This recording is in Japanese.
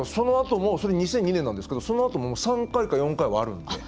それ２００２年なんですけどそのあとも３回か４回はあるんで。